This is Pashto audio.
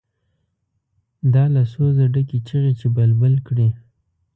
دا له سوزه ډکې چیغې چې بلبل کړي.